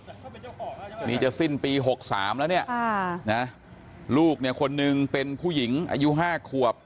อันนี้จะสิ้นปีหกสามแล้วเนี่ยลูกเนี่ยคนนึงเป็นผู้หญิงอายุห้าขวบ